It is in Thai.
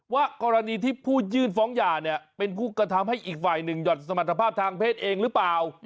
ว่ากรณีที่ผู้ยื่นฟ้องหย่าเนี่ยเป็นผู้กระทำให้อีกฝ่ายหนึ่งหย่อนสมรรถภาพทางเพศเองหรือเปล่า